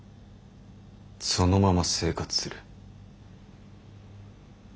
そのまま生活する。